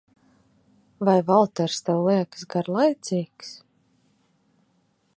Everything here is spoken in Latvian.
Vai Valters tev liekas garlaicīgs?